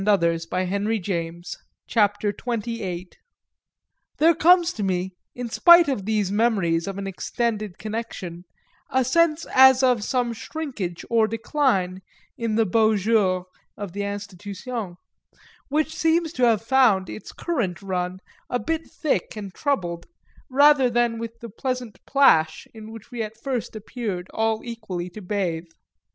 Houssaye the elder had administered. XXVIII There comes to me, in spite of these memories of an extended connection, a sense as of some shrinkage or decline in the beaux jours of the Institution; which seems to have found its current run a bit thick and troubled, rather than with the pleasant plash in which we at first appeared all equally to bathe.